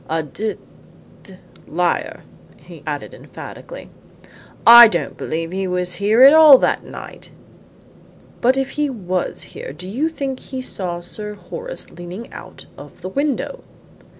"A d d liar," he added emphatically. "I don't believe he was here at all that night." "But if he was here, do you think he saw Sir Horace leaning out of the window?"